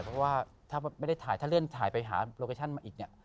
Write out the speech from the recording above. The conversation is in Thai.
เพราะว่าถ้าไล่เล่นถ่ายไปหาโลก่าชั่นมาอีกไง